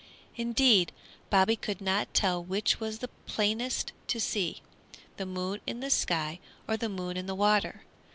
Indeed, Bobby could not tell which was the plainest to see, the moon in the sky or the moon in the water.